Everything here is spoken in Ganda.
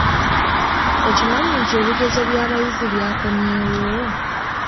Okimanyi nti ebigezo by'abayizi byakomyewo?